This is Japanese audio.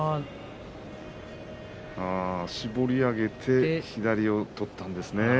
絞り上げて左を取ったんですね。